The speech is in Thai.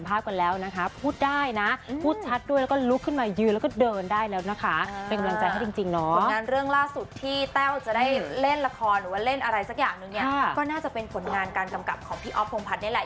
อะไรสักอย่างหนึ่งเนี่ยก็น่าจะเป็นผลงานการกำกับของพี่ออฟพวงพัดนี่แหละ